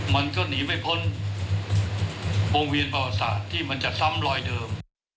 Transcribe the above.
มันก็หนีไม่พ้นวงเวียนประวัติศาสตร์ที่มันจะซ้ำรอยเดิม